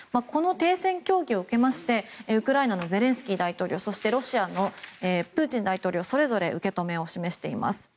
この停戦協議を受けましてウクライナのゼレンスキー大統領そして、ロシアのプーチン大統領それぞれ受け止めを示しています。